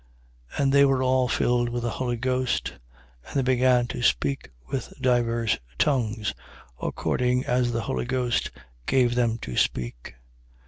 2:4. And they were all filled with the Holy Ghost: and they began to speak with divers tongues, according as the Holy Ghost gave them to speak.